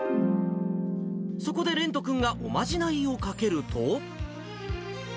そこで蓮人君がおまじないをかけると。